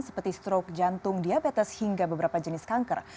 seperti stroke jantung diabetes hingga beberapa jenis kanker